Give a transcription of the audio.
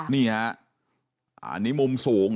นี่มุมสูง